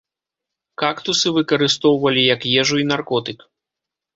Кактусы выкарыстоўвалі як ежу і наркотык.